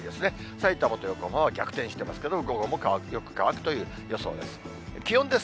さいたまと横浜は逆転してますけども、午後も乾く、よく乾くという予想です。